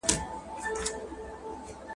کافین د ورځني استعمال په اندازه اهمیت لري.